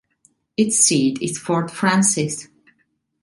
Its seat is Fort Frances.